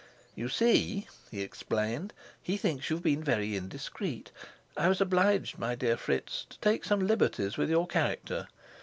"You see," he explained, "he thinks you've been very indiscreet. I was obliged, my dear Fritz, to take some liberties with your character.